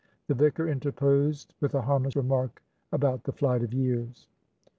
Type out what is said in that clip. The vicar interposed with a harmless remark about the flight of years.